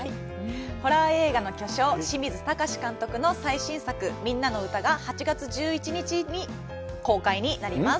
ホラー映画の巨匠・清水崇監督の最新作「ミンナのウタ」が８月１１日より公開になります。